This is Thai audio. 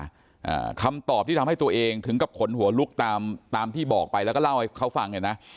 อ่าคำตอบที่ทำให้ตัวเองถึงกับขนหัวลุกตามตามที่บอกไปแล้วก็เล่าให้เขาฟังเนี่ยนะ